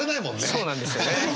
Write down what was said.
そうなんですよね。